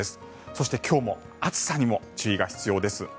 そして今日も暑さにも注意が必要です。